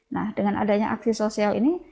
nah dengan adanya aksi sosial ini